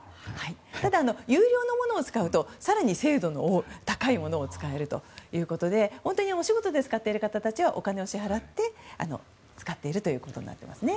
ただ、有料のものを使うと更に精度の高いものを使えますのでお仕事で使っている方はお金を支払って使っているということになっていますね。